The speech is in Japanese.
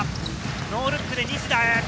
ノールックで西田へ。